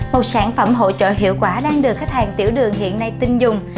một sản phẩm hỗ trợ hiệu quả đang được khách hàng tiểu đường hiện nay tin dùng